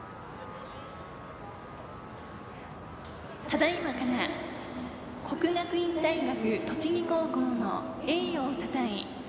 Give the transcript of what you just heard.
ただいまから国学院大学栃木高校の栄誉をたたえ